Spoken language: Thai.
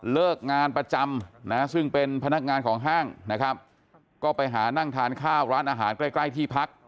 เลิกงานประจำนะซึ่งเป็นพนักงานของห้างนะครับก็ไปหานั่งทานข้าวร้านอาหารใกล้ใกล้ที่พัก